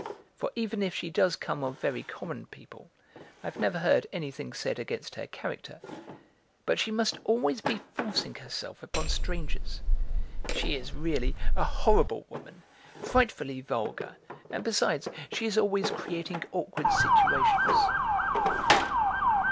For even if she does come of very common people, I have never heard anything said against her character. But she must always be forcing herself upon strangers. She is, really, a horrible woman, frightfully vulgar, and besides, she is always creating awkward situations."